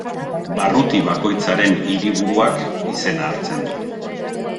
Barruti bakoitzaren hiriburuak izena hartzen du.